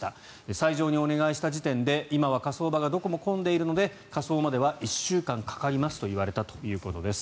斎場にお願いした時点で今は火葬場がどこも混んでいるので火葬までは１週間かかりますと言われたということです。